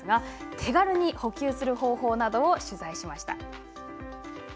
手軽に補給する方法などを取材しました。